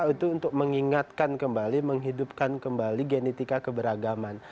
itu untuk mengingatkan kembali menghidupkan kembali genetika keberagaman